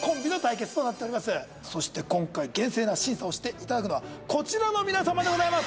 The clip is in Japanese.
そして今回厳正な審査をして頂くのはこちらの皆さまでございます。